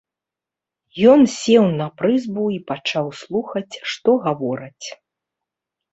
Ён сеў на прызбу і пачаў слухаць, што гавораць.